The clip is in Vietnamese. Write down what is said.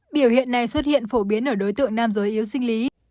biểu hiện này xuất hiện phổ biến ở đối tượng nam giới yếu sinh lý